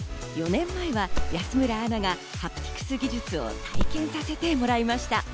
４年前は安村アナがハプティクス技術を体験させてもらいました。